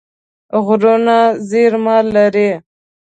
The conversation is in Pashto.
غرونه زیرمه لري.